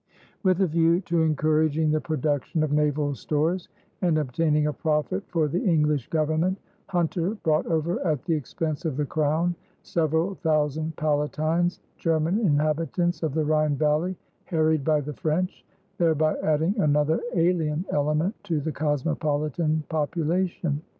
With a view to encouraging the production of naval stores and obtaining a profit for the English Government, Hunter brought over at the expense of the Crown several thousand Palatines, German inhabitants of the Rhine valley harried by the French, thereby adding another alien element to the cosmopolitan population.